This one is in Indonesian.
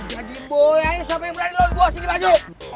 jadi boleh siapa yang berani lawan gue singgih baju